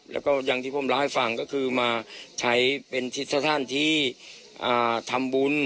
แล้วก็อย่างที่ผมเล่าให้ฟังก็คือมาใช้เป็นทิศท่านที่ทำบุญ